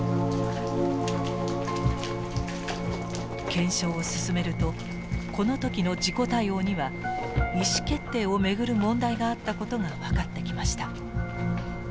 検証を進めるとこの時の事故対応には意思決定を巡る問題があったことが分かってきました。